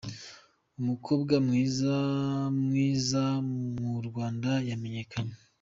Umukobwa mwiza mwiza M’urwanda yamenyekanye